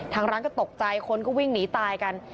ทางร้านก็ตกใจคนก็วิ่งหนีตายกัน